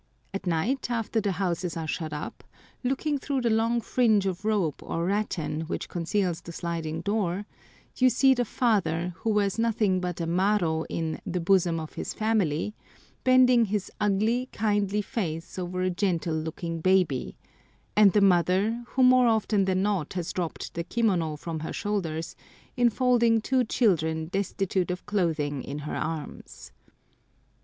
At night, after the houses are shut up, looking through the long fringe of rope or rattan which conceals the sliding door, you see the father, who wears nothing but a maro in "the bosom of his family," bending his ugly, kindly face over a gentle looking baby, and the mother, who more often than not has dropped the kimono from her shoulders, enfolding two children destitute of clothing in her arms.